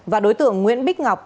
và đối tượng nguyễn bích ngọc